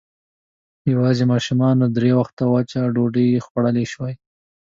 يواځې ماشومانو درې وخته وچه ډوډۍ خوړلی شوای.